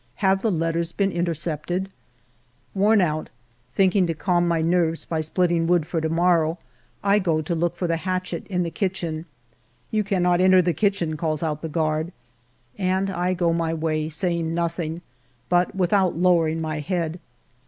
Have the letters been intercepted .^ Worn out, thinking to calm my nerves by split ting wood for to morrow, I go to look for the hatchet in the kitchen. " You cannot enter the kitchen," calls out the guard. And I go my way, saying nothing, but without lowering my head.